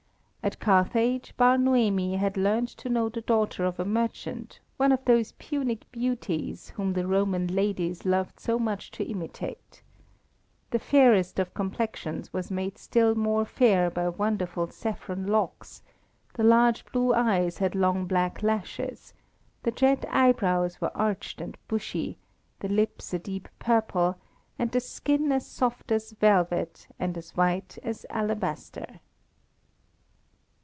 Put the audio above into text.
At Carthage, Bar Noemi had learnt to know the daughter of a merchant, one of those Punic beauties whom the Roman ladies loved so much to imitate. The fairest of complexions was made still more fair by wonderful saffron locks; the large blue eyes had long black lashes; the jet eyebrows were arched and bushy; the lips a deep purple, and the skin as soft as velvet, and as white as alabaster.